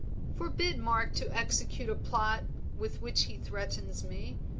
"Forbid Mark to execute a plot with which he threatens me.